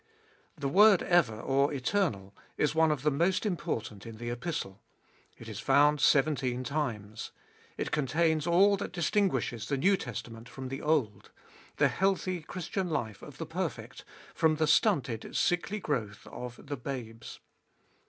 The word ever or eternal is one of the most important in the Epistle. It is found seventeen times. It contains all that distinguishes the New Testament from the Old ; the healthy Christian life of the perfect, from the stunted sickly growth of the babes.